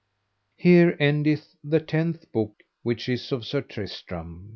_Here endeth the tenth book which is of Sir Tristram.